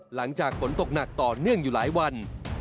หลังจากฝนตกหนักต่อเนื่องอยู่หลายวัน